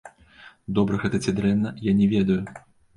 Добра гэта ці дрэнна, я не ведаю.